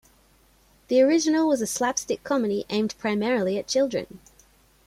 The original was a slapstick comedy aimed primarily at children.